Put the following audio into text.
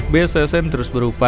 bssn terus berubah